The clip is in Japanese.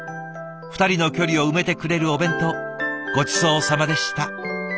２人の距離を埋めてくれるお弁当ごちそうさまでした。